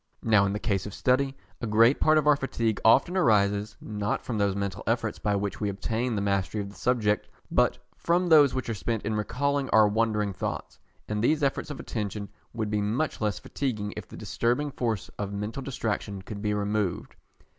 Now in the case of study, a great part of our fatigue often arises, not from those mental efforts by which we obtain the mastery of the subject, but from those which are spent in recalling our wandering thoughts; and these efforts of attention would be much less fatiguing if the disturbing force of mental distraction could be removed.